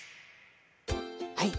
はい。